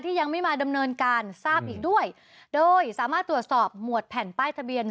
ยังไม่มาดำเนินการทราบอีกด้วยโดยสามารถตรวจสอบหมวดแผ่นป้ายทะเบียน